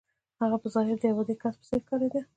هغه په ظاهره د يوه عادي کس په څېر ښکارېده.